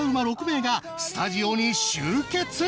６名がスタジオに集結！